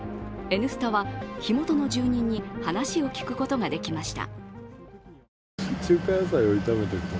「Ｎスタ」は火元の住人に話を聞くことができました。